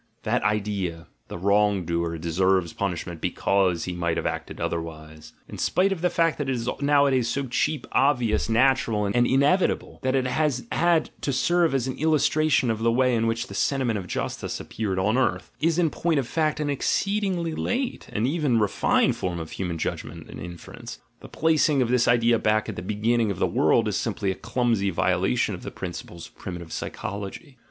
That idea— "the wrong doer deserves punishment because he might have acted other wise," in spite of the fact that it is nowadays so cheap, obvious, natural, and inevitable, and that it has had to serve as an illustration of the way in which the senti ment of justice appeared on earth, is in point of fact an exceedingly late, and even refined form of human judg ment and inference; the placing of this idea back at the beginning of the world is simply a clumsy violation of the principles of primitive psychology.